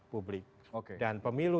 publik dan pemilu